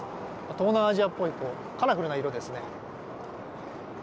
東南アジアっぽいカラフルな色ですね。